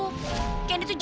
kami ingin menjadi anak gula